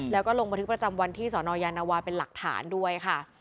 แล้วก็ลงบันทึกประจำวันที่สนยานวาเป็นหลักฐานด้วยค่ะ